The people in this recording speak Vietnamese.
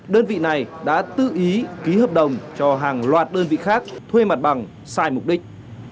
đơn vị này đã tự ý ký hợp đồng cho hàng loạt đơn vị khác thuê mặt bằng sai mục đích